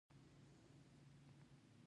د احمد خوله له خاورو پورته شوه.